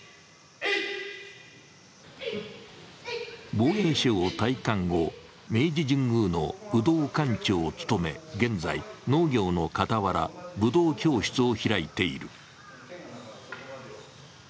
防衛省を退官後、明治神宮の武道館長を務め現在、農業の傍ら武道教室を開いている。